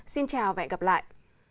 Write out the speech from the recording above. xin chào và hẹn gặp lại